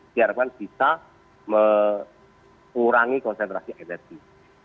diharapkan bisa mengurangi konsentrasi energi